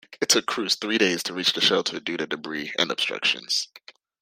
It took crews three days to reach the shelter due to debris and obstructions.